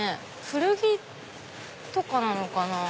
古着とかなのかな？